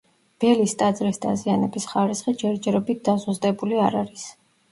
ბელის ტაძრის დაზიანების ხარისხი ჯერჯერობით დაზუსტებული არ არის.